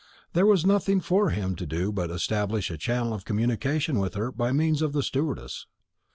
There was nothing for him to do but to establish a channel of communication with her by means of the stewardess.